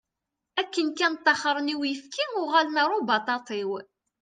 Akken kan taxṛen i uyefki, uɣalen ar ubaṭaṭiw.